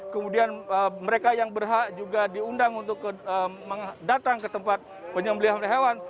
kemudian mereka yang berhak juga diundang untuk datang ke tempat penyembelihan hewan